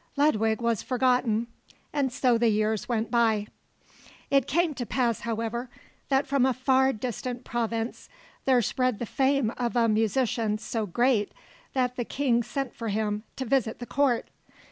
Ludwig was forgotten. And so the years went by. It came to pass, however, that from a far distant province there spread the fame of a musician so great that the king sent for him to visit the court.